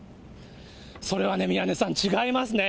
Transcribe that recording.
それはね、宮根さん、違いますね。